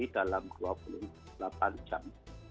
dalam dua puluh delapan jam